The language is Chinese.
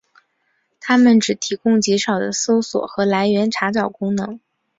它们只提供极少的搜索和来源查找功能。